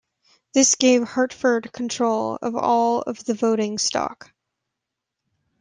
This gave Hartford control of all of the voting stock.